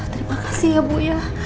terima kasih ya bu ya